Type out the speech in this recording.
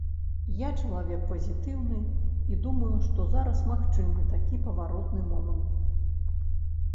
Я чалавек пазітыўны і думаю, што зараз магчымы такі паваротны момант.